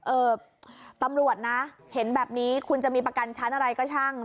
เอ่อตำรวจนะเห็นแบบนี้คุณจะมีประกันชั้นอะไรก็ช่าง